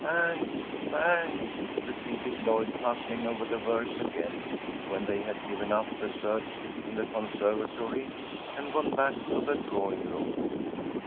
"Bank bank " repeated Lloyd, puzzling over the verse again, when they had given up the search in the conservatory and gone back to the drawing room.